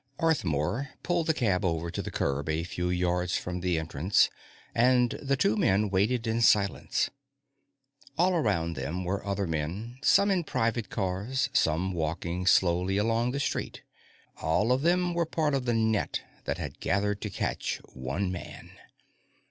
Arthmore pulled the cab over to the curb a few yards from the entrance and the two men waited in silence. All around them were other men, some in private cars, some walking slowly along the street. All of them were part of the net that had gathered to catch one man.